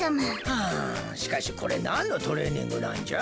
はあしかしこれなんのトレーニングなんじゃ？